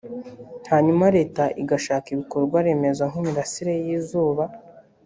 hanyuma Leta igashaka ibikorwaremezo nk’imirasire y’izuba